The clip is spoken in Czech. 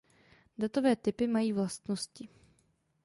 Datové typy mají vlastnosti.